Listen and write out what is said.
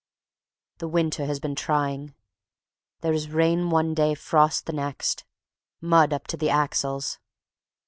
The winter has been trying; there is rain one day, frost the next. Mud up to the axles.